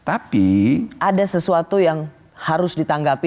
tapi ada sesuatu yang harus ditanggapi